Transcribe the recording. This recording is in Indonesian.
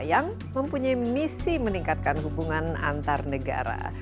yang mempunyai misi meningkatkan hubungan antar negara